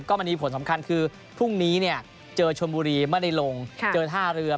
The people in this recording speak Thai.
มันมีผลสำคัญคือพรุ่งนี้เจอชนบุรีไม่ได้ลงเจอท่าเรือ